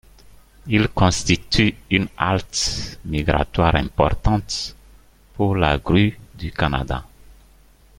Il constitue une halte migratoire importante pour la Grue du Canada.